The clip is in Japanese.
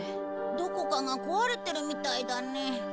どこかが壊れてるみたいだね。